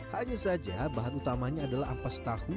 hanya saja bahan utamanya adalah ampas tahu